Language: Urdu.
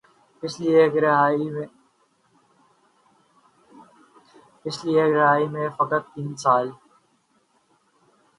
پچھلی ایک دہائی میں فقط تین سال